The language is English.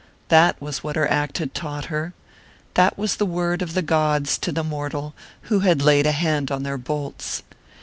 That was what her act had taught her that was the word of the gods to the mortal who had laid a hand on their bolts.